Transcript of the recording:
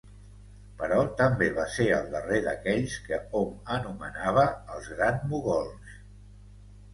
Però també va ser el darrer d'aquells que hom anomenava els Gran Mogols.